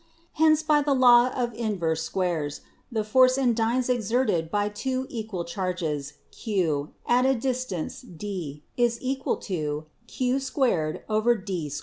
Hence, by the law of inverse squares the force in dynes exerted by two equal charges Q at a distance D is equal to Q 2 /D 2